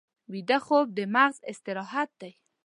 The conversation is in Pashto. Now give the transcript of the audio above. ویده خوب د مغز استراحت دی